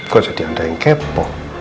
gua jadi anda yang kepo